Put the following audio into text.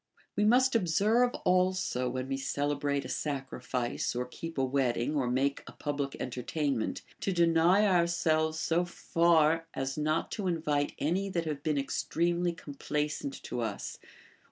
We must ob serve also, when we celebrate a sacrifice or keep a wedding or make a public entertainment, to deny ourselves so far as not to invite any that have been extremely complacent to us or ♦ Demosth.